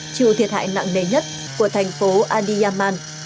chịu thiệt hại nặng nề nhất của thành phố adiyaman